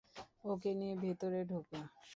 ওকে নিয়ে ভেতরে ঢোকো!